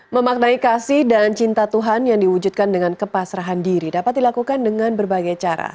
memaknai kasih dan cinta tuhan yang diwujudkan dengan kepasrahan diri dapat dilakukan dengan berbagai cara